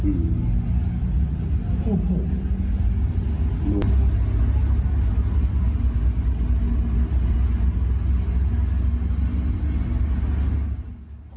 โอ้โห